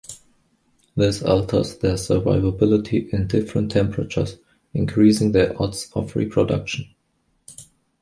This alters their survivability in different temperatures, increasing their odds of reproduction.